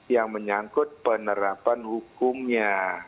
yang menyangkut penerapan hukumnya